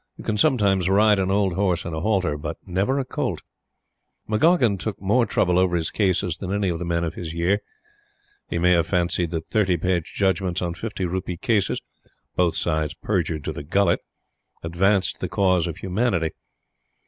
You can sometimes ride an old horse in a halter; but never a colt. McGoggin took more trouble over his cases than any of the men of his year. He may have fancied that thirty page judgments on fifty rupee cases both sides perjured to the gullet advanced the cause of Humanity.